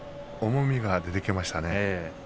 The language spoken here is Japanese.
重みが出てきましたね。